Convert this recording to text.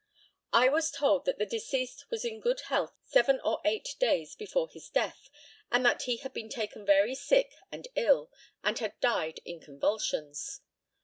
] I was told that the deceased was in good health seven or eight days before his death, and that he had been taken very sick and ill, and had died in convulsions.